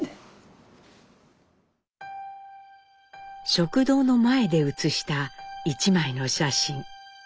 食堂の前で写した一枚の写真。